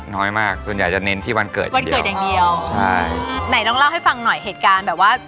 น้อยมากส่วนใหญ่จะเน้นที่วันเกิดอย่างเดียว